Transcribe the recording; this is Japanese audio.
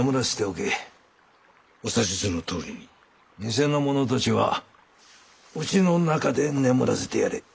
店の者たちはうちの中で眠らせてやれ。